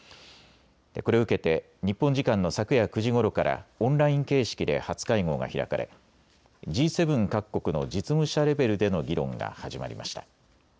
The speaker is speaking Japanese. これを受けて日本時間の昨夜９時ごろからオンライン形式で初会合が開かれＧ７各国の実務者レベルでの議論が始まりました。